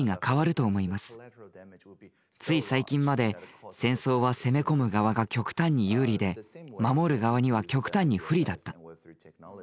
つい最近まで戦争は攻め込む側が極端に有利で守る側には極端に不利だった。